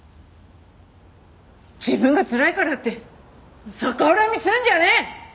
自分がつらいからって逆恨みするんじゃねえ！